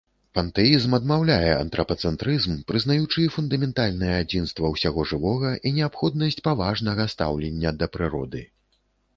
Пантэізм адмаўляе антрапацэнтрызм, прызнаючы фундаментальнае адзінства ўсяго жывога і неабходнасць паважнага стаўлення да прыроды.